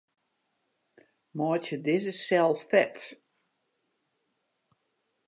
Meitsje dizze sel fet.